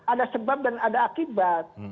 ada sebab dan ada akibat